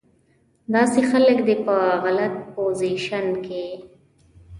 داسې خلک دې پۀ غلط پوزيشن کښې